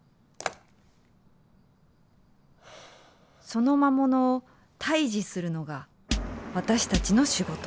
その魔物を退治するのが私たちの仕事。